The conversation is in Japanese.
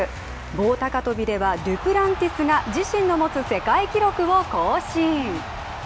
棒高跳びでは、デュプランティスが自身の持つ世界記録を更新。